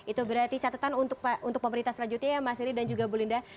itu berarti catatan untuk pemerintah selanjutnya ya mas heri dan juga bu linda